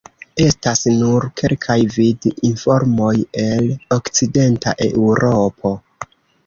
Estas nur kelkaj vid-informoj el Okcidenta Eŭropo.